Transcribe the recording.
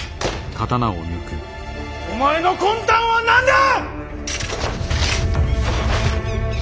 お前の魂胆は何だ！